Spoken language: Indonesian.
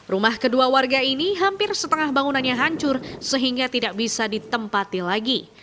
rumah kedua warga ini hampir setengah bangunannya hancur sehingga tidak bisa ditempati lagi